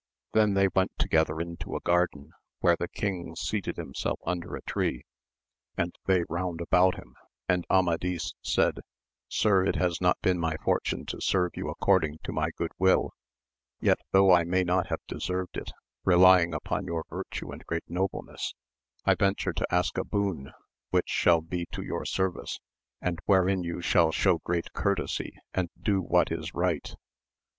Then they went together into a garden, where the king seated himself under a tree, and they round about him, and Amadis said, Sir, it has not been my fortune to serve you according to my good will, yet though I may not have deserved it, relying upon your virtue and great nobleness, I ven ture to ask a boon, which shall be to your service, and wherein you shall show great courtesy and do what is right.